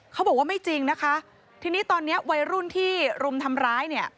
เขาบอกว่าไม่จริงนะคะทีนี้ตอนเนี้ยวัยรุ่นที่รุมทำร้ายเนี่ย